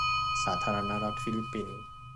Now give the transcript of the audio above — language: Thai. สาธารณรัฐฟิลิปปินส์